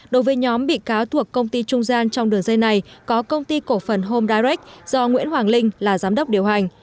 đối với nhóm bị cáo thuộc công ty trung gian trong đường dây này có công ty cổ phần homdak do nguyễn hoàng linh là giám đốc điều hành